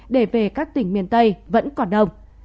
để về các tỉnh miền tây vẫn còn đồng